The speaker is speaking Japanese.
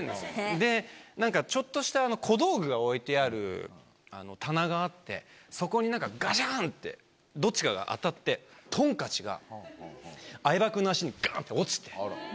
でなんかちょっとした小道具が置いてある棚があってそこになんかガシャンってどっちかが当たってトンカチが相葉くんの足にガンって落ちて。